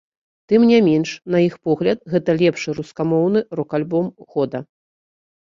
Тым не менш, на іх погляд гэта лепшы рускамоўны рок-альбом года.